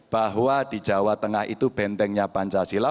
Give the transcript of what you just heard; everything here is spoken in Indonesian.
bahwa di jawa tengah itu bentengnya pancasila